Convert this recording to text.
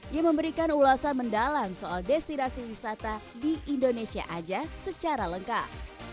yang memberikan ulasan mendalam soal destinasi wisata di indonesia aja secara lengkap